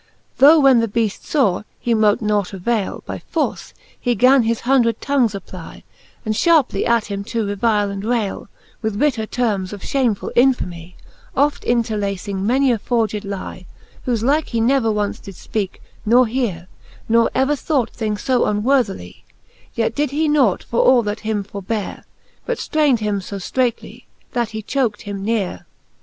Tho when the Beaft faw, he mote nought availe By force, he gan his hundred tongues apply, And fharpely at him to revile and raile, With bitter termes of fhamefull infamy ; Oft interlacing many a forged lie, Whofe like he never once did fpeake, nor heare, Nor ever thought thing fo unworthily: Yet did he nought for all that him forbeare, But ftrained him fo ftreightly, that he chokt him neare.